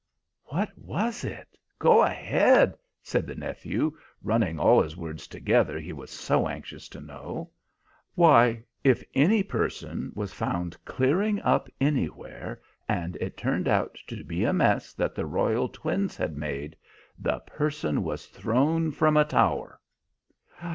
"What was it go ahead?" said the nephew, running all his words together, he was so anxious to know. "Why, if any person was found clearing up anywhere, and it turned out to be a mess that the royal twins had made, the person was thrown from a tower."